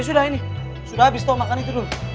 ya sudah ini sudah habis dong makan itu dulu